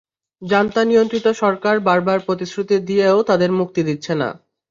Junta নিয়ন্ত্রিত সরকার বার বার প্রতিশ্রুতি দিয়েও তাঁদের মুক্তি দিচ্ছে না।